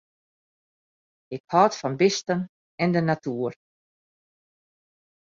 Ik hâld fan bisten en de natuer.